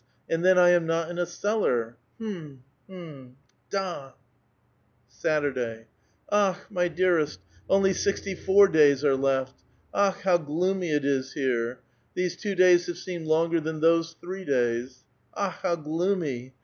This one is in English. And then I am not in s cellar. Um ! hm ! da !" Saturday. —^*' Akh! my dearest,' only sixty four days arc left. Akh ! how gloomy it is here ! These two days have seemed longer than those three days. Akh ! how gloomy